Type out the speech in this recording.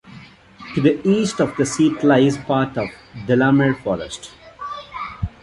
To the east of the seat lies part of Delamere Forest.